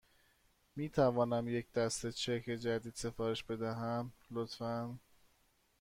می تونم یک دسته چک جدید سفارش بدهم، لطفاً؟